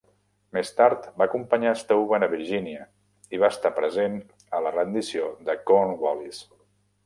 Més tard va acompanyar Steuben a Virgínia, i va estar present a la rendició de Cornwallis.